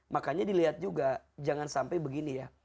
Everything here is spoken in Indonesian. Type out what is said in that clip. makanya dilihat juga jangan sampai begini ya